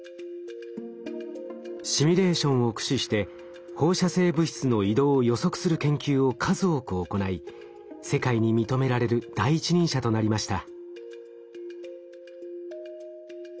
シミュレーションを駆使して放射性物質の移動を予測する研究を数多く行い世界に認められる第一人者となりました。